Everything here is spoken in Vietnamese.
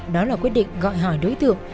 đó là quyết định gọi hỏi đối tượng